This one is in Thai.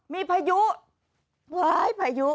มีพายุ